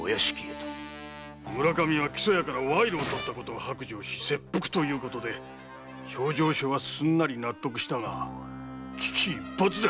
村上は木曽屋から賄賂を取ったと白状し切腹ということで評定所はすんなり納得したが危機一髪であったのう。